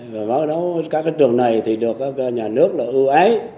và mỗi đó các cái trường này thì được nhà nước là ưu ái